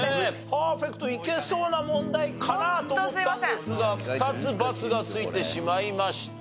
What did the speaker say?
パーフェクトいけそうな問題かなと思ったんですが２つバツがついてしまいました。